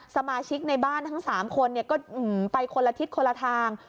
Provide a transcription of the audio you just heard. สมาชิกในบ้านทั้ง๓คนก็ไปคนละทิศคนละทาง